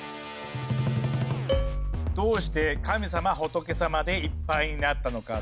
どうして神様仏様でいっぱいになったのかって？